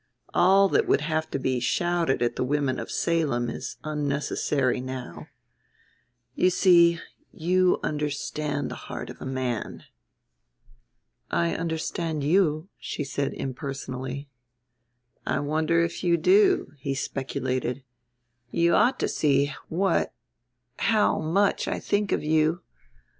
All that would have to be shouted at the women of Salem is unnecessary now. You see you understand the heart of a man." "I understand you," she said impersonally. "I wonder if you do," he speculated. "You ought to see what how much I think of you.